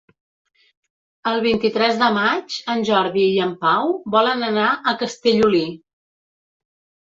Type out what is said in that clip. El vint-i-tres de maig en Jordi i en Pau volen anar a Castellolí.